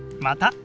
また。